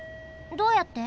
どうやって？